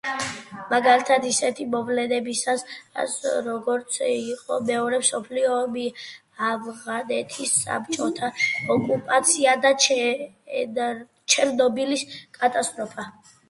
მაგალითად ისეთი მოვლენებისას, როგორიც იყო მეორე მსოფლიო ომი, ავღანეთის საბჭოთა ოკუპაცია და ჩერნობილის კატასტროფა.